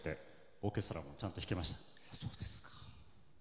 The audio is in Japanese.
オーケストラもちゃんと弾けました。